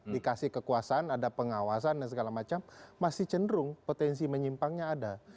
dikasih kekuasaan ada pengawasan dan segala macam masih cenderung potensi menyimpangnya ada